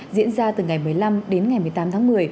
diễn ra từ ngày một mươi năm đến ngày một mươi tám tháng một mươi